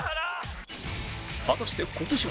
果たして今年は？